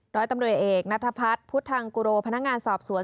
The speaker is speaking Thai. ร้อยตำรวจเอกนัทพัฒน์พุทธังกุโรพนักงานสอบสวน